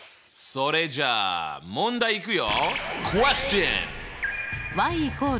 それじゃあ問題いくよ。